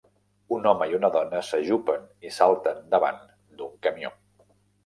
Un home i una dona s'ajupen i salten davant d'un camió.